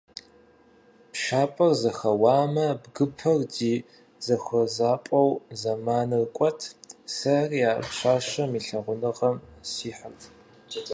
Пшапэр зэхэуамэ, бгыпэр ди зэхуэзапӀэу зэманыр кӀуэрт, сэри а пщащэм и лъагъуныгъэм сихьырт.